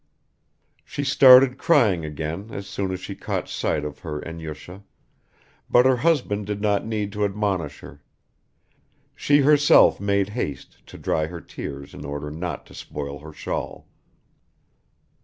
She started crying again as soon as she caught sight of her Enyusha, but her husband did not need to admonish her; she herself made haste to dry her tears in order not to spoil her shawl.